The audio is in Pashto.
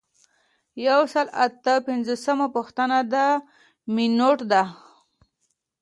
یو سل او اته پنځوسمه پوښتنه د مینوټ ده.